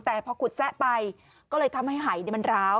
แต่พอขุดแซะไปก็เลยทำให้หายมันร้าว